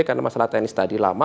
karena masalah tenis tadi lama